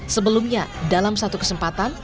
sebelumnya dalam satu kesempatan